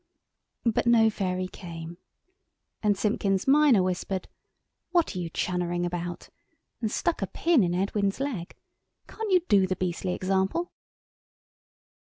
But no Fairy came. And Simpkins minor whispered— "What are you chunnering about?" and stuck a pin into Edwin's leg. "Can't you do the beastly example?"